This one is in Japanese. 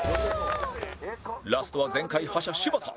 ラストは前回覇者柴田